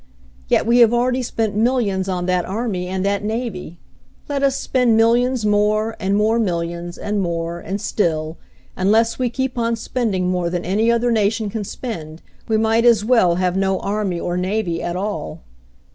Yet we have already spent millions on that army and that navy. Let us spend millions more, and more millions, and more, and still, unless we keep on spending more than any other nation can spend, we might as well have no army or navy at all.